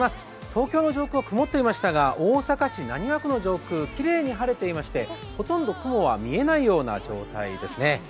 東京の上空は曇っていましたが大阪市浪速区の上空、きれいに晴れていまして、ほとんど雲は見えないような状態ですね。